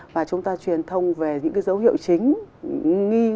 và chúng ta truyền thông về những dấu hiệu chính